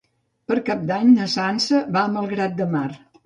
Per Cap d'Any na Sança va a Malgrat de Mar.